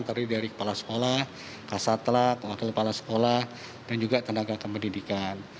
terdiri dari kepala sekolah kasatlak wakil kepala sekolah dan juga tenaga kependidikan